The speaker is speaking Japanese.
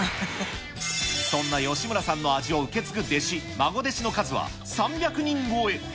そんな吉村さんの味を受け継ぐ弟子、孫弟子の数は３００人超え。